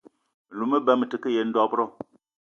Me lou me ba me te ke yen dob-ro